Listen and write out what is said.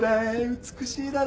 美しいだろ？